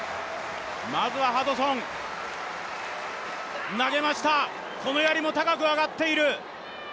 まずはハドソン、投げました、このやりも高く上がっている。